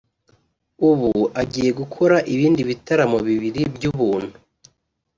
ubu agiye gukora ibindi bitaramo bibiri by’ubuntu